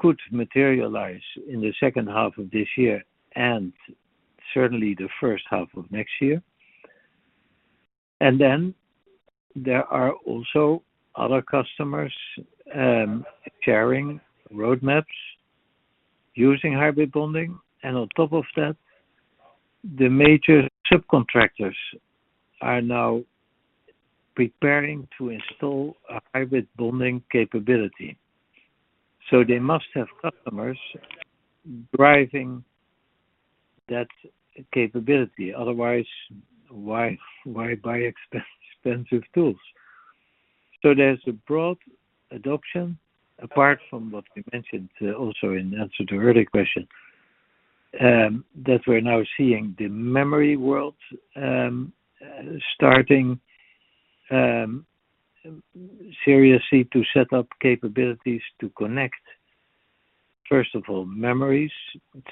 could materialize in the second half of this year and certainly the first half of next year. Then there are also other customers, sharing roadmaps using hybrid bonding, and on top of that, the major subcontractors are now preparing to install a hybrid bonding capability. So they must have customers driving that capability, otherwise, why buy expensive tools? There's a broad adoption, apart from what we mentioned, also in answer to earlier question, that we're now seeing the memory world, starting seriously to set up capabilities to connect, first of all, memories,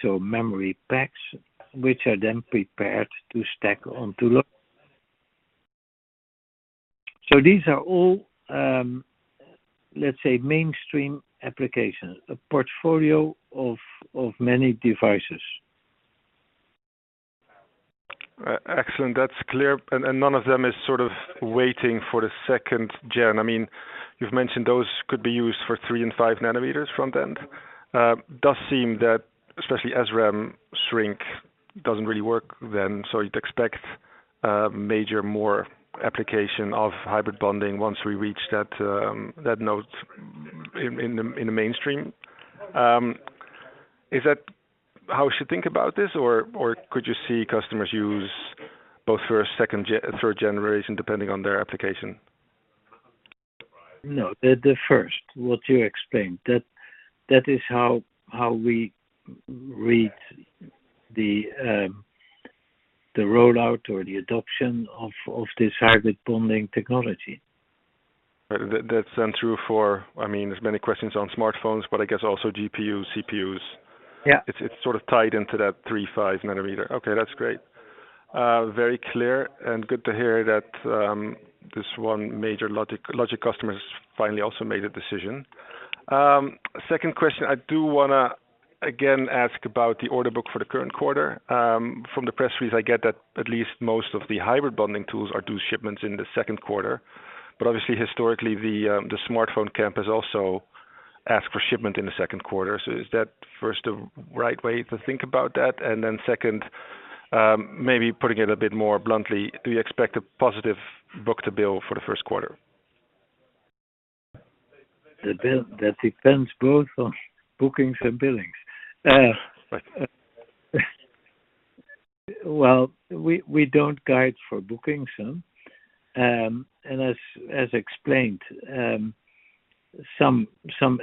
so memory packs, which are then prepared to stack onto load. These are all, let's say, mainstream applications, a portfolio of many devices. Excellent. That's clear. None of them is sort of waiting for the 2nd gen. I mean, you've mentioned those could be used for 3 and 5 nanometers front-end. Does seem that especially SRAM shrink doesn't really work then, so you'd expect major more application of hybrid bonding once we reach that node in the mainstream. Is that how we should think about this, or could you see customers use both 1st, 2nd gen, 3rd generation depending on their application? No. The first, what you explained. That is how we read the rollout or the adoption of this hybrid bonding technology. That's then true for. I mean, there's many questions on smartphones, but I guess also GPU, CPUs. Yeah. It's sort of tied into that 3/5 nanometer. Okay, that's great. Very clear and good to hear that this one major logic customer's finally also made a decision. Second question, I do wanna again ask about the order book for the current quarter. From the press release, I get that at least most of the hybrid bonding tools are due shipments in the second quarter. Obviously, historically, the smartphone camp has also asked for shipment in the second quarter. Is that, first, the right way to think about that? Second, maybe putting it a bit more bluntly, do you expect a positive book-to-bill for the first quarter? The bill, that depends both on bookings and billings. Well, we don't guide for bookings, huh. As explained, some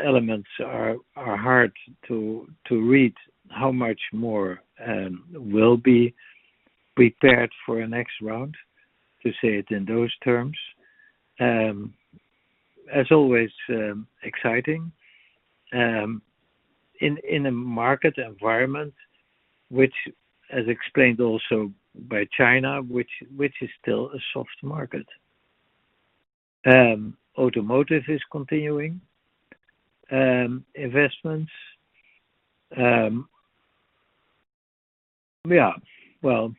elements are hard to read how much more will be prepared for a next round, to say it in those terms. As always, exciting. In a market environment which as explained also by China, which is still a soft market. Automotive is continuing investments. Yeah. Well,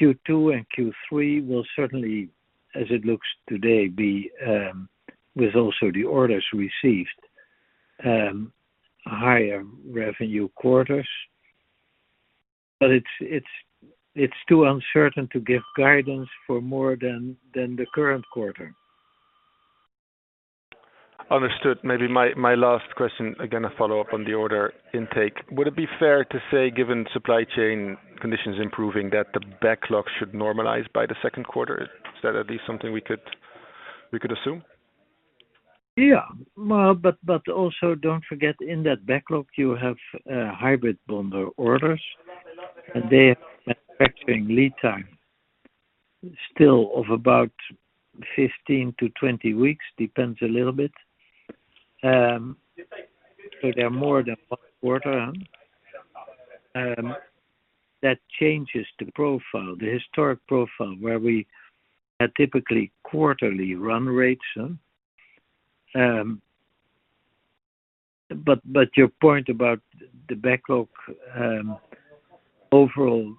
Q2 and Q3 will certainly, as it looks today, be with also the orders received, higher revenue quarters. It's too uncertain to give guidance for more than the current quarter. Understood. Maybe my last question, again, a follow-up on the order intake. Would it be fair to say, given supply chain conditions improving, that the backlog should normalize by the second quarter? Is that at least something we could assume? Yeah. Well, but also don't forget in that backlog, you have hybrid bonder orders. They have manufacturing lead time still of about 15 to 20 weeks, depends a little bit. They're more than 1 quarter. That changes the profile, the historic profile, where we had typically quarterly run rates. Your point about the backlog, overall,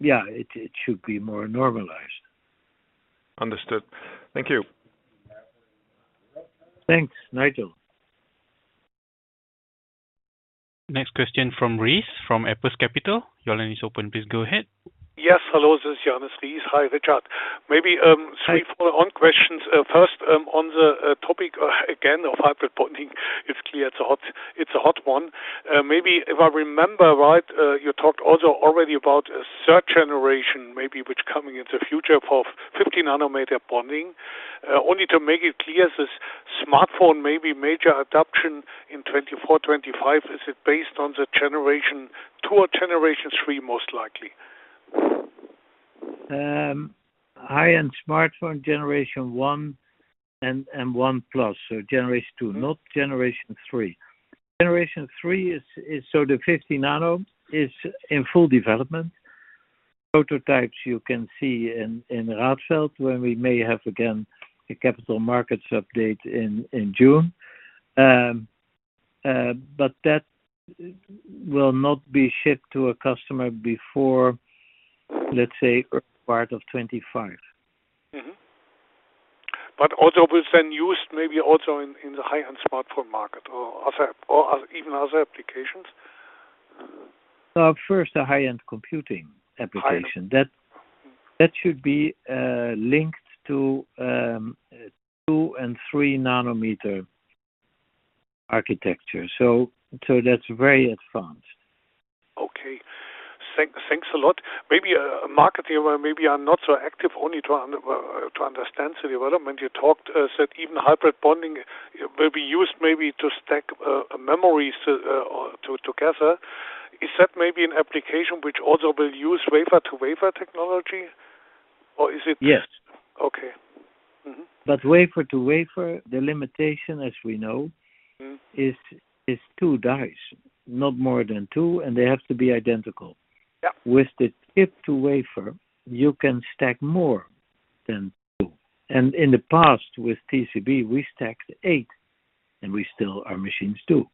yeah, it should be more normalized. Understood. Thank you. Thanks, Nigel. Next question from Ries from Apus Capital. Your line is open. Please go ahead. Yes. Hello. This is Johannes Ries. Hi, Richard. Maybe. Hi Three follow-on questions. First, on the topic again of hybrid bonding, it's clear it's a hot one. Maybe if I remember right, you talked also already about a third generation maybe which coming in the future of 50-nanometer bonding. Only to make it clear, this smartphone may be major adoption in 2024, 2025. Is it based on the generation 2 or generation 3, most likely? High-end smartphone generation one and one plus, generation two-. Mm-hmm Not Generation 3. Generation 3 is so the 50 nano is in full development. Prototypes you can see in Radfeld, where we may have again a capital markets update in June. That will not be shipped to a customer before, let's say, early part of 2025. Mm-hmm. Also will then use maybe also in the high-end smartphone market or other, or other, even other applications. First the high-end computing application. High-end- That should be linked to 2 and 3 nanometer architecture. That's very advanced. Okay. Thanks a lot. Maybe a market area where maybe I'm not so active, only to understand the development. You talked, said even hybrid bonding will be used maybe to stack memories or together. Is that maybe an application which also will use wafer-to-wafer technology, or is it just-? Yes. Okay. Mm-hmm. Wafer-to-wafer, the limitation as we know. Mm-hmm Is 2 dies, not more than 2, and they have to be identical. Yeah. With the chip-to-wafer, you can stack more than two. In the past with TCB, we stacked eight. We still our machines do.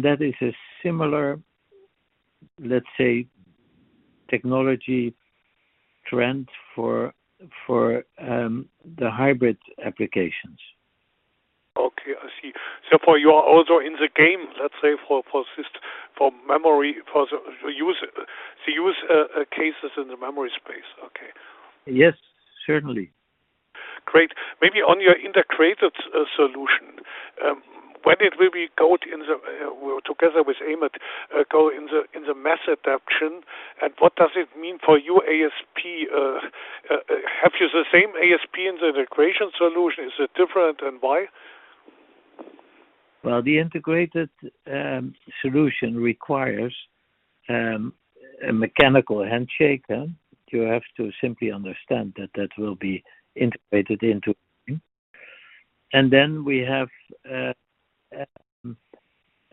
That is a similar, let's say, technology trend for the hybrid applications. I see. For you are also in the game, let's say, for the use cases in the memory space. Okay. Yes, certainly. Great. Maybe on your integrated solution, when it will be caught in the together with AMAT, go in the mass adoption, and what does it mean for you ASP, have you the same ASP in the integration solution? Is it different, and why? Well, the integrated solution requires a mechanical handshake. You have to simply understand that that will be integrated into. We have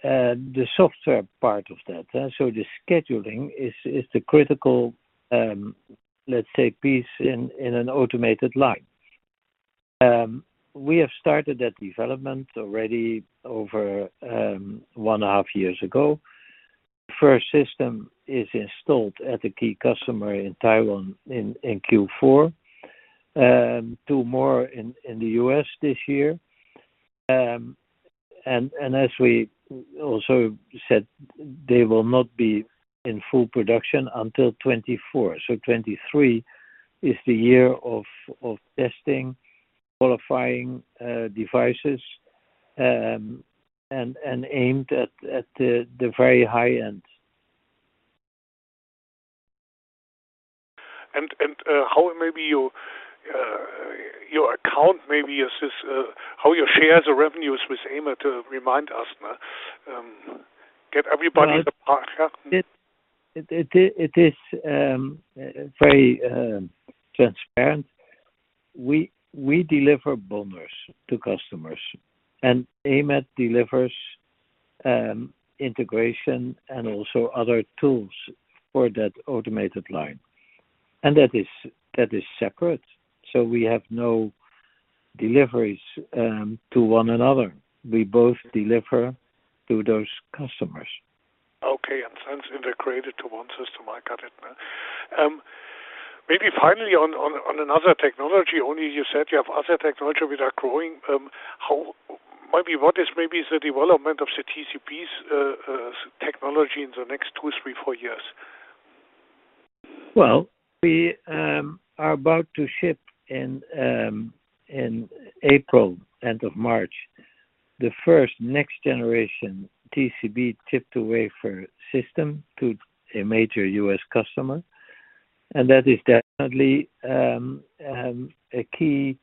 the software part of that. The scheduling is the critical, let's say, piece in an automated line. We have started that development already over 1 and a half years ago. First system is installed at a key customer in Taiwan in Q4. 2 more in the US this year. As we also said, they will not be in full production until 2024. 2023 is the year of testing, qualifying devices, and aimed at the very high end. How maybe you your account, maybe is this how you share the revenues with AMAT? Remind us now, get everybody on the partner. It is very transparent. We deliver bonders to customers. AMAT delivers integration and also other tools for that automated line. That is separate. We have no deliveries to one another. We both deliver to those customers. Okay. Since integrated to one system, I got it now. Maybe finally on another technology, only you said you have other technology which are growing. Maybe what is maybe the development of the TCB's technology in the next two, three, four years? Well, we are about to ship in April, end of March, the first next generation TCB chip-to-wafer system to a major U.S. customer. That is definitely a key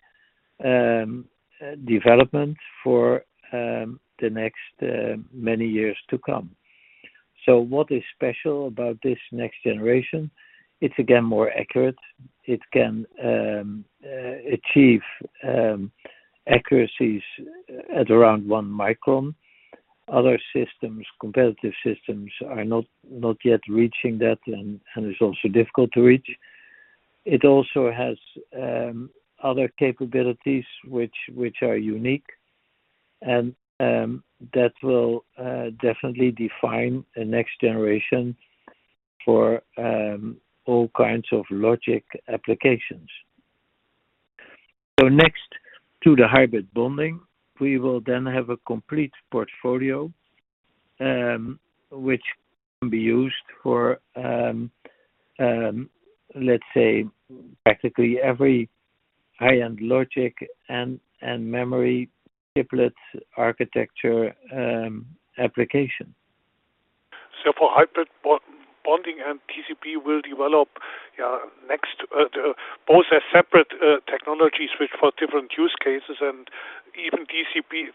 development for the next many years to come. What is special about this next generation? It's again, more accurate. It can achieve accuracies at around one micron. Other systems, competitive systems are not yet reaching that and it's also difficult to reach. It also has other capabilities which are unique and that will definitely define a next generation for all kinds of logic applications. Next to the hybrid bonding, we will then have a complete portfolio which can be used for let's say practically every high-end logic and memory chiplet architecture application. For hybrid bonding and TCB will develop next, both as separate technologies which for different use cases and even TCB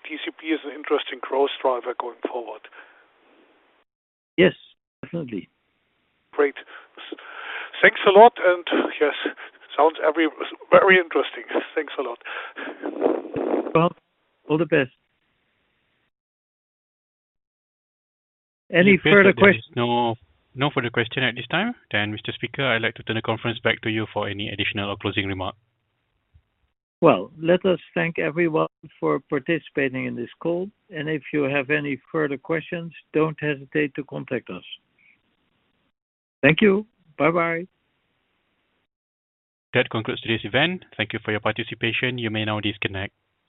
is an interesting growth driver going forward. Yes, definitely. Great. Thanks a lot and yes, sounds very interesting. Thanks a lot. Well, all the best. Any further. It appears that there is no further question at this time. Mr. Speaker, I'd like to turn the conference back to you for any additional or closing remark. Well, let us thank everyone for participating in this call. If you have any further questions, don't hesitate to contact us. Thank you. Bye-bye. That concludes today's event. Thank you for your participation. You may now disconnect.